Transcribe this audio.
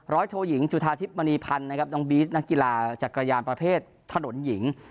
โทยิงจุธาทิพย์มณีพันธ์นะครับน้องบี๊ดนักกีฬาจักรยานประเภทถนนหญิง